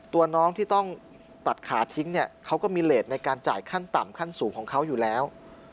ตัวน้องที่ต้องตัดขาทิ้งเนี่ยเขาก็มีเลสในการจ่ายขั้นต่ำขั้นสูงของเขาอยู่แล้ว